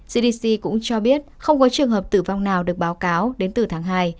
cdc cũng cho biết không có trường hợp tử vong nào được báo cáo đến từ tháng hai